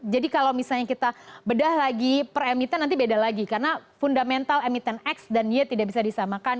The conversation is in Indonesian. jadi kalau misalnya kita bedah lagi per emiten nanti beda lagi karena fundamental emiten x dan y tidak bisa disamakan